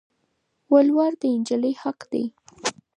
ولوړ د انجلی حق دي